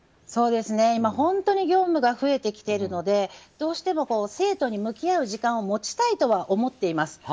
今、本当に業務が増えてきているのでどうしても生徒に向き合う時間を持ちたいとは思っています。